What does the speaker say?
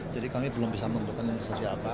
jadi kami belum bisa menentukan investasi apa